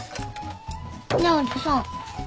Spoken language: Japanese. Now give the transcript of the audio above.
ねえおじさん。